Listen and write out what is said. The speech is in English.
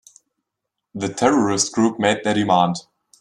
The terrorist group made their demand.